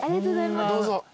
どうぞ。